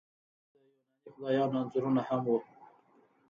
د یوناني خدایانو انځورونه هم وو